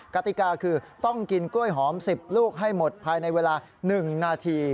กติกาคือต้องกินกล้วยหอม๑๐ลูกให้หมดภายในเวลา๑นาที